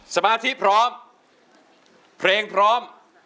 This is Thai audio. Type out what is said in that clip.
สมาธิพร้อมเพลงพร้อม